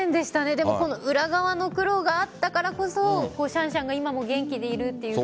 でも裏側の苦労があったからこそシャンシャンが今も元気でいるという。